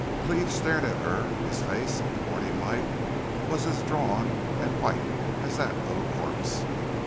Cleve stared at her. His face, in the morning light, was as drawn and white as that of a corpse.